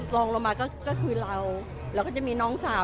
ลองลงมาก็คือเราน้องสาว